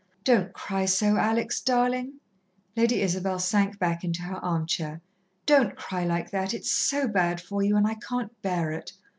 "Don't cry so, Alex darlin'." Lady Isabel sank back into her armchair. "Don't cry like that it's so bad for you and I can't bear it.